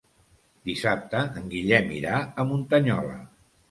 Dissabte en Guillem irà a Muntanyola.